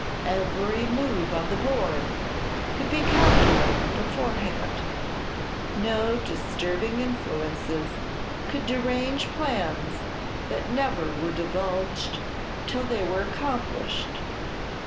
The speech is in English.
Every move on the board could be calculated beforehand, no disturbing influences could derange plans that never were divulged till they were accomplished.